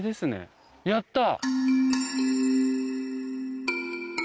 やった！